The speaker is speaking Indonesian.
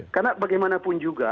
karena bagaimanapun juga